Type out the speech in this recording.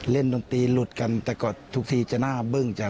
เล่นดนตรีหลุดกันแต่ก็ทุกทีจะหน้าเบิ้ง